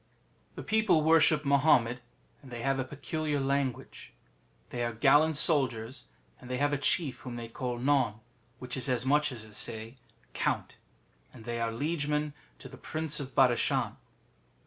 The people worship Mahommet, and they have a peculiar language. They are gallant soldiers, and they have a chief whom they call None, which is as much as to say Count, and they are liegemen to the Prince of Badashan.